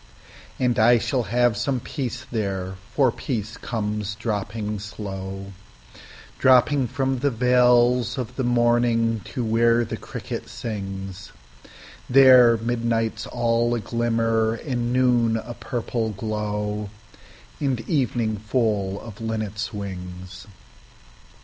And I shall have some peace there, for peace comes dropping slow, Dropping from the veils of the morning to where the cricket sings; There midnight's all a glimmer, and noon a purple glow, And evening full of the linnet's wings.